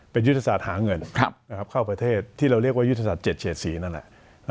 เป็นยุทธศาสตร์หาเงินครับนะครับเข้าประเทศที่เราเรียกว่ายุทธศาสตร์เจ็ดเฉดสีนั่นแหละ